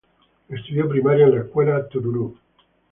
Estudió primaria en la Escuela “Dr.